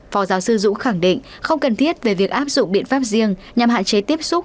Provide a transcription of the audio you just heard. phó giáo sư dũ khẳng định không cần thiết về việc áp dụng biện pháp riêng nhằm hạn chế tiếp xúc